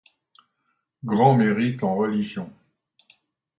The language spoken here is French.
Grand mérite en religion.